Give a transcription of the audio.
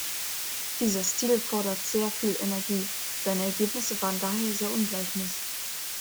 Dieser Stil fordert sehr viel Energie, seine Ergebnisse waren daher sehr ungleichmäßig.